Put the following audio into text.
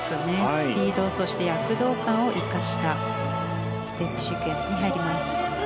スピードそして躍動感を生かしたステップシークエンスに入ります。